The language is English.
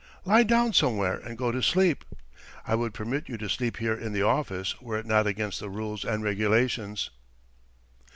Lie down somewhere and go to sleep. I would permit you to sleep here in the office, were it not against the rules and regulations."